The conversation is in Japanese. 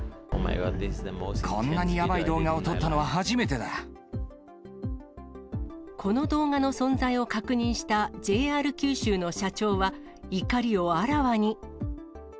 こんなにやばい動画を撮ったこの動画の存在を確認したＪＲ九州の社長は、怒りをあらわに。